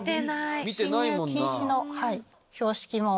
進入禁止の標識も。